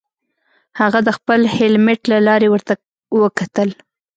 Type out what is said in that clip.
هغه د خپل هیلمټ له لارې ورته وکتل